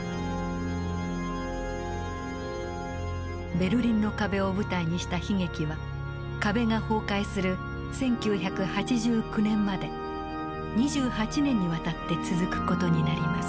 ベルリンの壁を舞台にした悲劇は壁が崩壊する１９８９年まで２８年にわたって続く事になります。